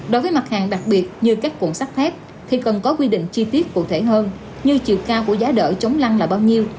đối với mặt hàng đặc biệt như các cộn sắt thép thì cần có quy định chi tiết cụ thể hơn như chiều cao của giá đỡ chống lăn là bao nhiêu